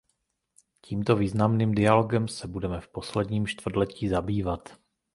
Tímto významným dialogem se budeme v posledním čtvrtletí zabývat.